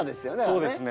そうですね。